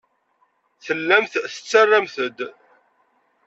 Tellamt tettarramt-d.